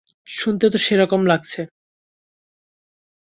শুনতে তো সেরকমই লাগছে!